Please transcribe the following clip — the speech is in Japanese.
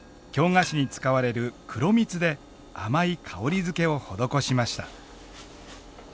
菓子に使われる黒蜜で甘い香りづけを施しました。